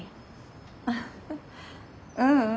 ううん。